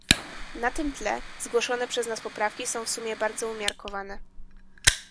Na tym tle zgłoszone przez nas poprawki są w sumie bardzo umiarkowane